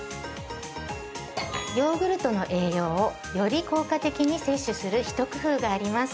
ヨーグルトの栄養をより効果的に摂取する一工夫があります。